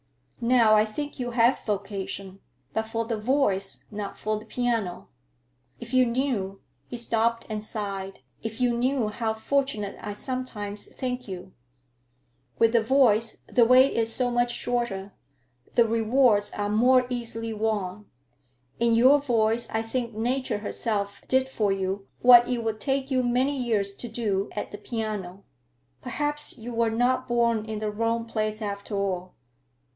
Now, I think you have vocation, but for the voice, not for the piano. If you knew,"—he stopped and sighed,—"if you knew how fortunate I sometimes think you. With the voice the way is so much shorter, the rewards are more easily won. In your voice I think Nature herself did for you what it would take you many years to do at the piano. Perhaps you were not born in the wrong place after all.